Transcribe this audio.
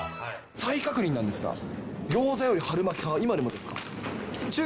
再確認なんですが、ギョーザより春巻き派、今でもですか？